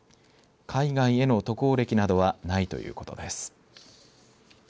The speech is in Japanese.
海外への渡航歴などはないということです。